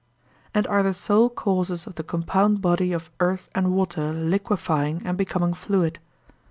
and are the sole causes of the compound body of earth and water liquefying and becoming fluid.